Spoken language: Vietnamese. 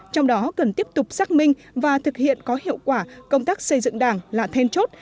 trong đó cần tiếp tục xác minh và thực hiện có hiệu quả công tác xây dựng đảng là then chốt